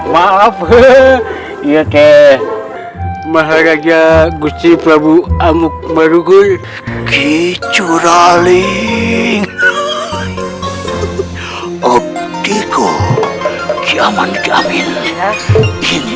maaf hehehe iya keh maharaja gusti prabowo amukmarunggul kicuraling obdiko kiaman kiamin ini